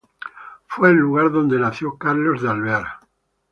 Fue el lugar donde nació Carlos de Alvear.